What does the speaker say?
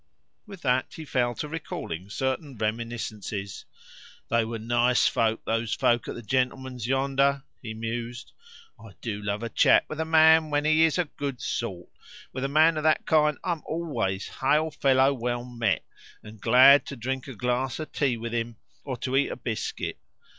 With that he fell to recalling certain reminiscences. "They were NICE folk, those folk at the gentleman's yonder," he mused. "I DO love a chat with a man when he is a good sort. With a man of that kind I am always hail fellow well met, and glad to drink a glass of tea with him, or to eat a biscuit.